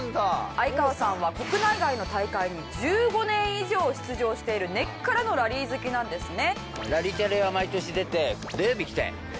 哀川さんは国内外の大会に１５年以上出場している根っからのラリー好きなんですね。